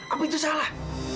apa itu salah